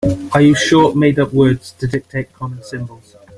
I use short made-up words to dictate common symbols.